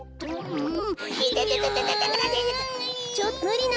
うん。